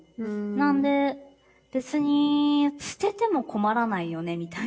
なので別に捨てても困らないよねみたいな。